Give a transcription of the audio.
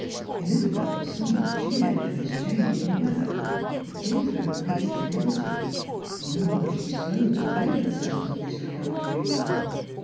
Ehzabeth was somewhat cheered by this change in the wea ther. It gave her at least liberty. Nor was she slow to avail herself of this recovered freedom.